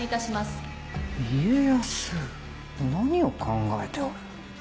何を考えておる？